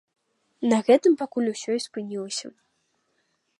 На гэтым пакуль усё і спынілася.